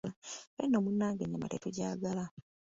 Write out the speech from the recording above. Ffe nno munange ennyama tetugyagala.